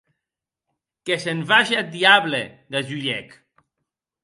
Que se’n vage ath diable!, gasulhèc.